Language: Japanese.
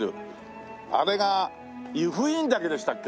あれが由布院岳でしたっけ？